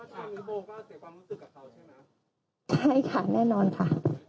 ใช่ค่ะแน่นอนค่ะ